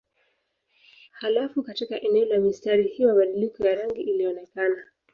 Halafu katika eneo la mistari hii mabadiliko ya rangi ilionekana.